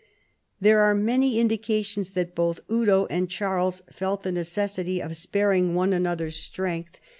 There are many in dications that both Eudo and Charles felt the necessity of sparing one another's strength and not * See p.